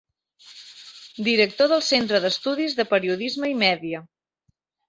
Director del Centre d'Estudis de Periodisme i Media.